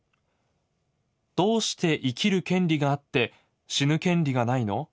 どうして生きる権利があって死ぬ権利がないの？